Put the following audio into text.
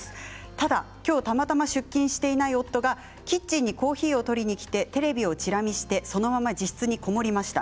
ただ今日たまたま出勤していない夫がキッチンにコーヒーを取りに来てテレビを一覧にしてそのまま自室に籠もりました。